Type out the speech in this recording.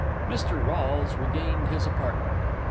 Mr. Rolles regained his apartment.